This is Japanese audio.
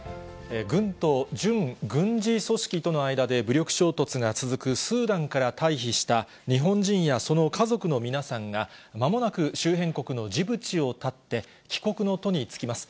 軍と準軍事組織との間で武力衝突が続くスーダンから退避した日本人やその家族の皆さんが、まもなく周辺国のジブチをたって、帰国の途に就きます。